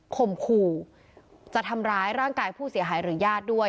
มขู่จะทำร้ายร่างกายผู้เสียหายหรือญาติด้วย